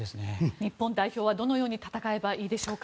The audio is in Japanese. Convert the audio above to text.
日本代表はどのように戦えばいいでしょうか。